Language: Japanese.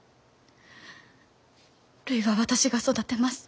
るいは私が育てます。